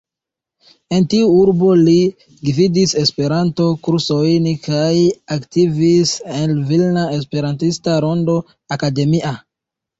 En tiu urbo li gvidis Esperanto-kursojn kaj aktivis en Vilna Esperantista Rondo Akademia.